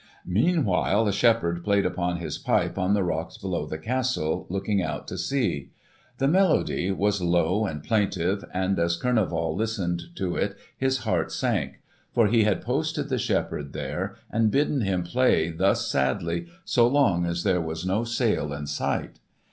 Meanwhile a shepherd played upon his pipe, on the rocks below the castle, looking out to sea. The melody was low and plaintive, and as Kurneval listened to it his heart sank; for he had posted the shepherd there and bidden him play thus sadly so long as there was no sail in sight.